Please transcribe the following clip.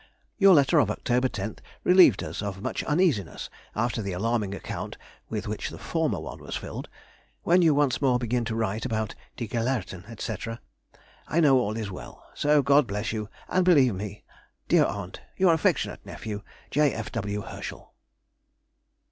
Your letter of October 10th relieved us of much uneasiness, after the alarming account with which the former one was filled. When you once more begin to write about die Gelehrten, &c., I know all is well. So God bless you, and believe me, Dear Aunt, your affectionate nephew, J. F. W. HERSCHEL.